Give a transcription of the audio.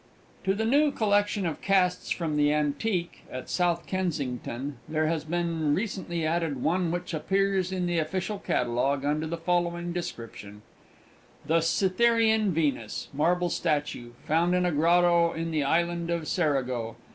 To the new collection of Casts from the Antique, at South Kensington, there has been recently added one which appears in the official catalogue under the following description: "The Cytherean Venus. Marble statue. Found in a grotto in the Island of Cerigo.